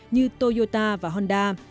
như toyota và honda